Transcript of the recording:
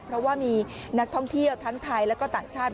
เพราะว่ามีนักท่องเที่ยวทั้งไทยและก็ต่างชาติ